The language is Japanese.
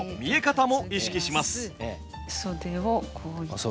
袖をこういって。